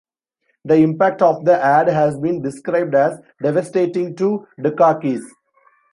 The impact of the ad has been described as devastating to Dukakis.